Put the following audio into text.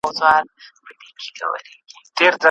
ایا استاد د شاګرد د کار نیمګړتیا ښيي؟